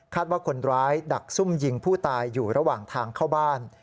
ว่าคนร้ายดักซุ่มยิงผู้ตายอยู่ระหว่างทางเข้าบ้าน